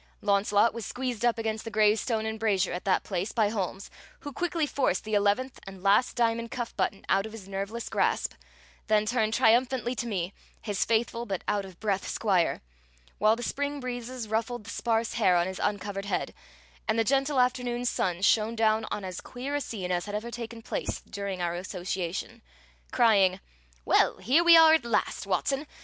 Launcelot was squeezed up against the gray stone embrasure at that place by Holmes, who quickly forced the eleventh and last diamond cuff button out of his nerveless grasp, then turned triumphantly to me, his faithful but out of breath squire, while the spring breezes ruffled the sparse hair on his uncovered head, and the gentle afternoon sun shone down on as queer a scene as had ever taken place during our association, crying: "Well, here we are at last, Watson.